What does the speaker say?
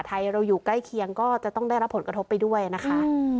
เราอยู่ใกล้เคียงก็จะต้องได้รับผลกระทบไปด้วยนะคะ